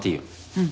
うん。